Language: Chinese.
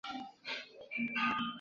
伊奈牛站石北本线上的站。